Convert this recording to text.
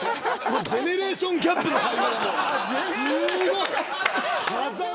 ジェネレーションギャップの会話がすごい。